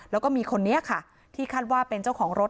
แล้วก็มีคนนี้ค่ะที่คาดว่าเป็นเจ้าของรถ